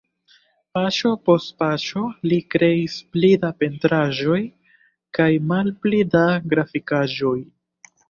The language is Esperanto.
Paŝo post paŝo li kreis pli da pentraĵoj kaj malpli da grafikaĵoj.